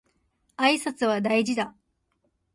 挨拶は大事だ